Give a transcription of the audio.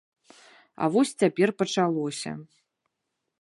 А вось цяпер пачалося.